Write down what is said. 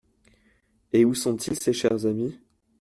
Et où sont-ils, ces chers amis ?